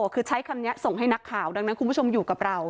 คือใช้คำนี้ส่งให้นักข่าวดังนั้นคุณผู้ชมอยู่กับเรา